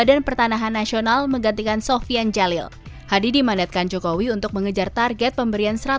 dengan penuh rasa tanggung jawab